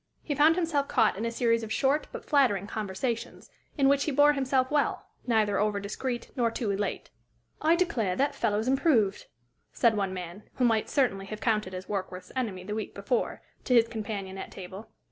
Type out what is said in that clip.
He found himself caught in a series of short but flattering conversations, in which he bore himself well neither over discreet nor too elate. "I declare that fellow's improved," said one man, who might certainly have counted as Warkworth's enemy the week before, to his companion at table.